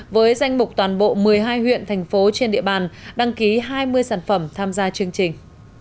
với danh mục toàn bộ một mươi hai huyện thành phố trên địa bàn đăng ký hai mươi sản phẩm tham gia chương trình